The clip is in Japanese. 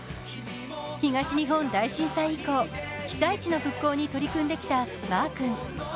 東日本大震災以降、被災地の復興に取り組んできたマー君。